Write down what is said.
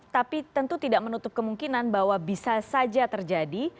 tapi tentu tidak menutup kemungkinan bahwa bisa saja terjadi